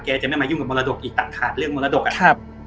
แกจะไม่มายุ่งกับมรดกอีกต่างขาดเรื่องมรดกอะ